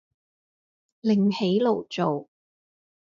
另起爐灶